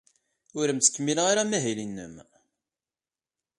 Ur am-ttkemmileɣ ara amahil-nnem.